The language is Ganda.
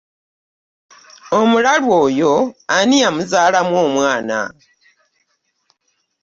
Omulalu oyo ani yamuzaalamu omwana?